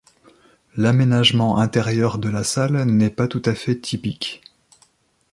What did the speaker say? L'aménagement intérieur de la salle n'est pas tout à fait typique.